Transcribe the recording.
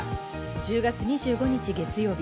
１０月２５日、月曜日。